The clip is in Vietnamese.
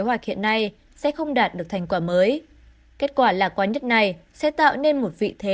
kế hoạch hiện nay sẽ không đạt được thành quả mới kết quả lạc quan nhất này sẽ tạo nên một vị thế